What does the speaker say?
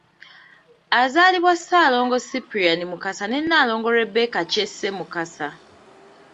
Azaalibwa Ssaalongo Cyprian Mukasa ne Nnaalongo Rebecca Kyese Mukasa